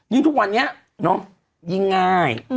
ทุกวันนี้ยิ่งง่าย